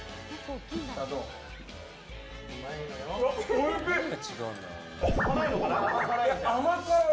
おいしい！